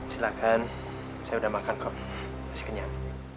silakan saya udah makan kok masih kenyang